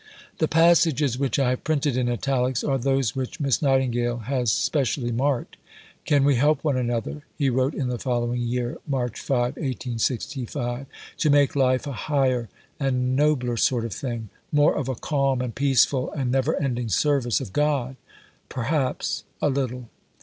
] The passages which I have printed in italics are those which Miss Nightingale had specially marked. "Can we help one another," he wrote in the following year (March 5, 1865), "to make life a higher and nobler sort of thing more of a calm and peaceful and never ending service of God? Perhaps a little."